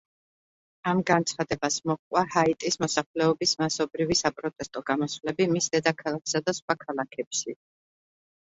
ამ განცხადებას მოჰყვა ჰაიტის მოსახლეობის მასობრივი საპროტესტო გამოსვლები მის დედაქალაქსა და სხვა ქალაქებში.